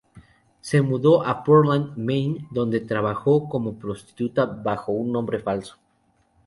Se mudó a Portland, Maine, donde trabajó como prostituta bajo un nombre falso.